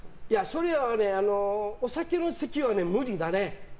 それは、お酒の席は無理だね。